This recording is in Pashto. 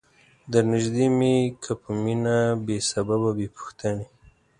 درنیژدې می که په مینه بې سببه بې پوښتنی